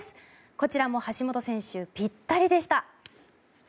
こちらも橋本選手ぴったりでした。